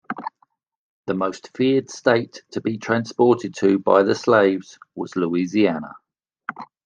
The most feared state to be transported to by the slaves was Louisiana.